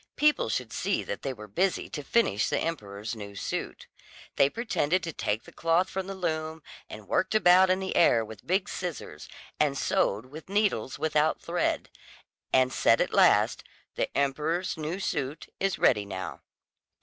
People should see that they were busy to finish the emperor's new suit. They pretended to take the cloth from the loom, and worked about in the air with big scissors, and sewed with needles without thread, and said at last: "The emperor's new suit is ready now."